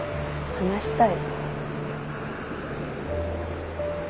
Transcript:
話したい？